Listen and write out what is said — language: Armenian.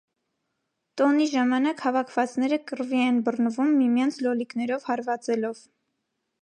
Տոնի ժամանակ հավաքվածները կռվի են բռնվում՝ միմյանց լոլիկներով հարվածելով։